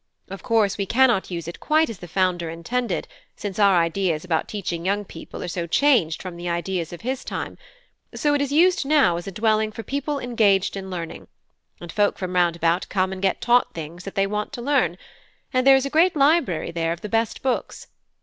Of course, we cannot use it quite as the founder intended, since our ideas about teaching young people are so changed from the ideas of his time; so it is used now as a dwelling for people engaged in learning; and folk from round about come and get taught things that they want to learn; and there is a great library there of the best books.